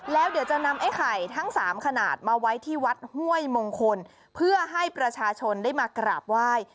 แล้วเดี๋ยวจะนำไอ้ไข่ทั้งสามขนาดมาไว้ที่วัดห้วยมงคลเพื่อให้ประชาชนได้มากราบไหว้